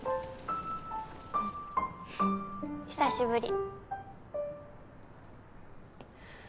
久しぶり。